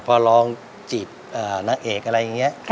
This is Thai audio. เพราะร้องจีบนักเอกอะไรอย่างนี้